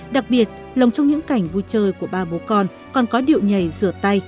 đặc biệt lòng trong những cảnh vui chơi của ba bố con còn có điệu nhảy rửa tay